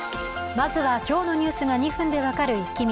まずは今日のニュースが２分で分かるイッキ見。